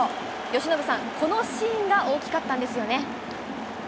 由伸さん、このシーンが大きかったんですよね。